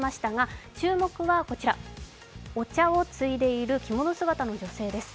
注目はこちら、お茶をついでいる着物姿の女性です。